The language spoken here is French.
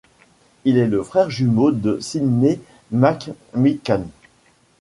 Il est le frère jumeau de Sydney McMeekan.